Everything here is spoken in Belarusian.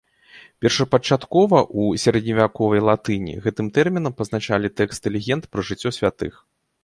Першапачаткова ў сярэдневяковай латыні гэтым тэрмінам пазначалі тэксты легенд пра жыццё святых.